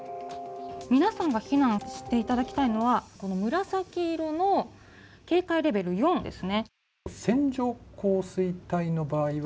皆さんが避難していただきたいのは紫色の警戒レベル４ですね。